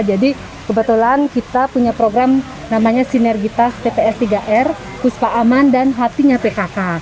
jadi kebetulan kita punya program namanya sinergitas tps tiga r kuspa aman dan hatinya pkk